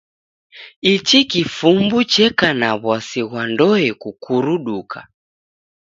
Ichi kifumbu cheka na w'asi ghwa ndoe kukuruduka.